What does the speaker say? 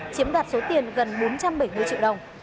chiếm đoạt số tiền gần bốn trăm bảy mươi triệu đồng